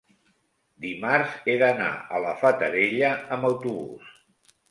dimarts he d'anar a la Fatarella amb autobús.